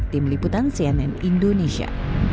tim liputan cnn indonesia